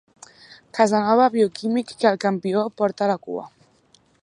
Casanova bioquímic que el campió porta a la cua.